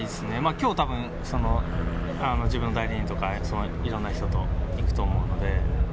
きょうたぶん、その自分の代理人とか、いろんな人と行くと思うので。